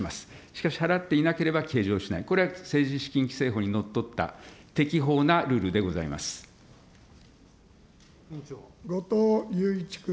しかし、払っていなければ計上しない、これは政治資金規正法にのっとった、適法なルールでござい後藤祐一君。